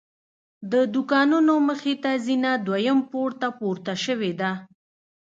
د دوکانونو مخې ته زینه دویم پوړ ته پورته شوې ده.